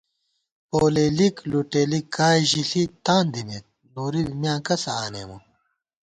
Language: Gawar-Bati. پولېلِک لُٹېلِک کائے ژِݪی تان دِمېت، نوری بی میاں کسہ آنېمہ